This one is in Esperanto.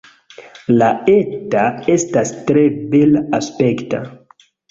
La eta estas tre bela-aspekta.